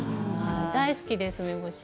大好きです、梅干し。